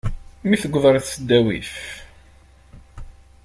Mi d-tewweḍ ɣer tesdawit.